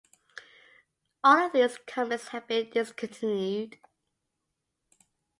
All of these comics have been discontinued.